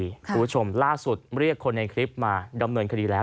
คุณผู้ชมล่าสุดเรียกคนในคลิปมาดำเนินคดีแล้ว